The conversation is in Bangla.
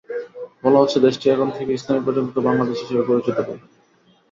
বলা হচ্ছে, দেশটি এখন থেকে ইসলামি প্রজাতন্ত্র বাংলাদেশ হিসেবে পরিচিতি পাবে।